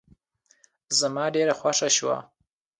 زما ډېره خوښه شوه.